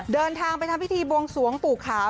เดินทางไปทำพิธีบวงสวงปู่ขาว